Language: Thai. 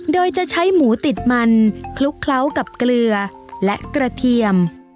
โดยจะใช้หมูติดมันคลุกเคล้ากับเกลือและกระเทียม